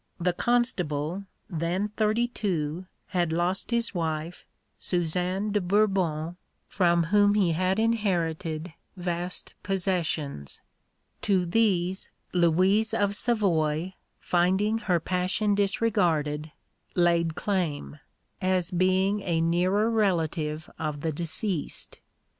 The Constable, then thirty two, had lost his wife, Susan de Bourbon, from whom he had inherited vast possessions. To these Louise of Savoy, finding her passion disregarded, laid claim, as being a nearer relative of the deceased.